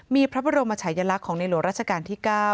มีพระบรมชายลักษณ์ของในหลวงราชการที่๙